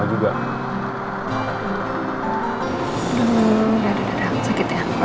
udah udah sakit ya